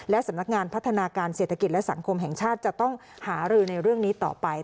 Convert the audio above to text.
สำนักงานพัฒนาการเศรษฐกิจและสังคมแห่งชาติจะต้องหารือในเรื่องนี้ต่อไป